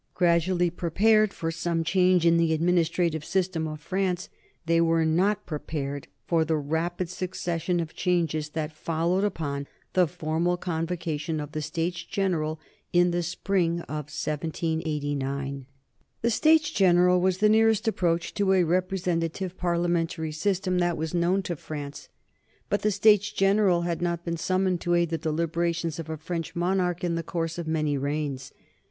Gradually prepared for some change in the administrative system of France, they were not prepared for the rapid succession of changes that followed upon the formal convocation of the States General in the spring of 1789. The States General was the nearest approach to a representative parliamentary system that was known to France. But the States General had not been summoned to aid the deliberations of a French monarch in the course of many reigns.